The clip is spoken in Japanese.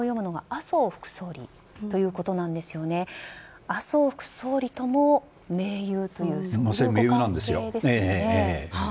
麻生副総理とも盟友というご関係ですよね。